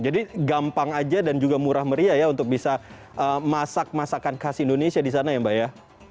jadi gampang aja dan juga murah meriah ya untuk bisa masak masakan khas indonesia di sana ya mbak ya